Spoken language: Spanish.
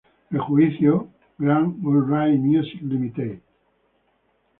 El juicio, Grand Upright Music, Ltd.